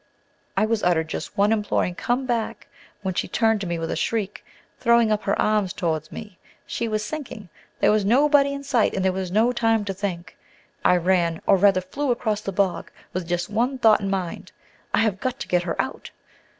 I was uttered just one imploring "Come back!" when she turned to me with a shriek, throwing up her arms towards me. She was sinking! There was nobody in sight, and there was no time to think. I ran, or rather flew, across the bog, with just one thought in my mind, "I have got to get her out!"